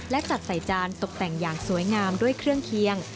และจัดใส่จานตกแต่งอย่างสวยงามด้วยเครื่องเคียง